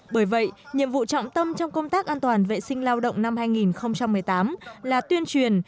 bởi vậy nhiệm vụ trọng tâm trong công tác an toàn vệ sinh lao động năm hai nghìn một mươi tám là tuyên truyền